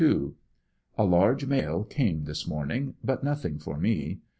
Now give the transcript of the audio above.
— A large mail came this morning, but nothing for me.